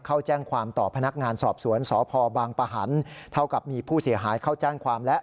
เข้าแจ้งความต่อพนักงานสอบสวนสพบางปะหันเท่ากับมีผู้เสียหายเข้าแจ้งความแล้ว